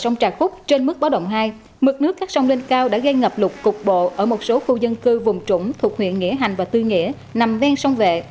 sông trà khúc trên mức báo động hai mực nước các sông lên cao đã gây ngập lụt cục bộ ở một số khu dân cư vùng trũng thuộc huyện nghĩa hành và tư nghĩa nằm ven sông vệ